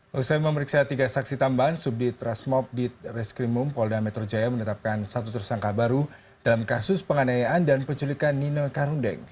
setelah memeriksa tiga saksi tambahan subdit rasmob ditreskrimum polda metro jaya menetapkan satu tersangka baru dalam kasus penganayaan dan penculikan nino karundeng